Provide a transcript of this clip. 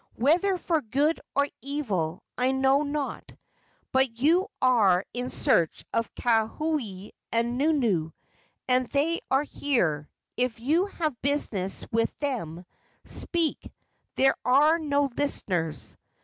Whether for good or evil I know not, but you are in search of Kakohe and Nunu, and they are here. If you have business with them, speak; there are no listeners."